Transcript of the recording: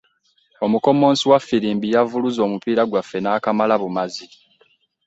Omukommonsi wa ffirimbi yavuluze omupiira gwaffe n'akamala bumazi.